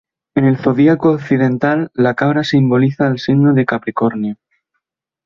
En el zodíaco occidental, la cabra simboliza al signo de Capricornio.